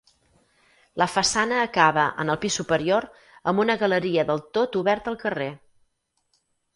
La façana acaba, en el pis superior, amb una galeria del tot oberta al carrer.